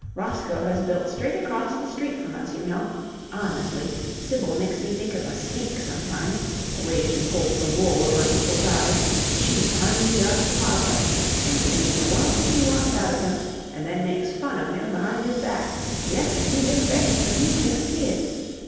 Roscoe has built straight across the street from us, you know. Honestly, Sibyl makes me think of a snake, sometimes the way she pulls the wool over people's eyes! She honeys up to papa and gets anything in the world she wants out of him, and then makes fun of him behind his back yes, and to his face, but HE can't see it!